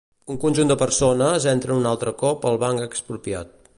Un conjunt de persones entra un altre cop al Banc Expropiat.